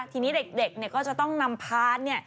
ทีนี้เด็กก็จะต้องนำพาร์ท